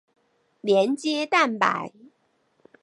连接蛋白。